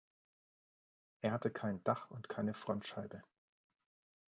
Er hatte kein Dach und keine Frontscheibe.